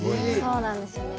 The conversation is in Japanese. そうなんですよね。